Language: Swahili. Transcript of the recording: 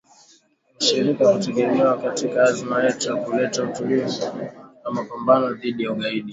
“mshirika wa kutegemewa katika azma yetu ya kuleta utulivu na mapambano dhidi ya ugaidi”